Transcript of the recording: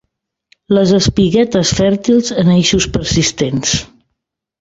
Les espiguetes fèrtils en eixos persistents.